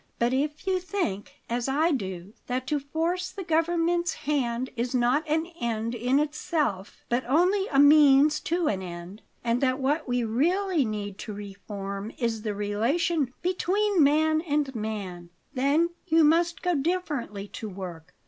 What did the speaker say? But if you think, as I do, that to force the government's hand is not an end in itself, but only a means to an end, and that what we really need to reform is the relation between man and man, then you must go differently to work.